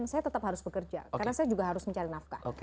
saya tetap harus bekerja karena saya juga harus mencari nafkah